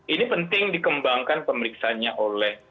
ini penting dikembangkan pemeriksaannya oleh